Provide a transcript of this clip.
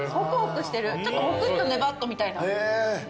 ちょっとホクッとネバッとみたいな。